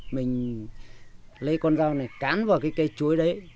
mình lấy con rau này cắn vào cây chuối đấy